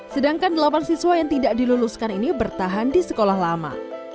sedangkan delapan siswa yang tidak diluluskan ini bertahan di sekolah lama